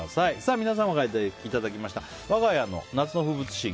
皆さんからいただきましたわが家の夏の風物詩。